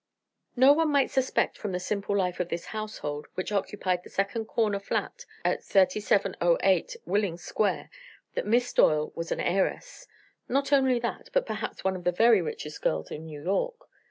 No one might suspect, from the simple life of this household, which occupied the second corner flat at 3708 Willing Square, that Miss Doyle was an heiress. Not only that, but perhaps one of the very richest girls in New York.